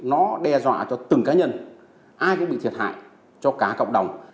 nó đe dọa cho từng cá nhân ai cũng bị thiệt hại cho cả cộng đồng